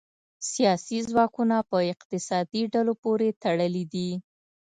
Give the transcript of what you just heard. سیاسي ځواکونه په اقتصادي ډلو پورې تړلي دي